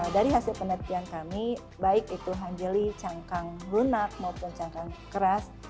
dari hasil penelitian kami baik itu hanjeli cangkang lunak maupun cangkang keras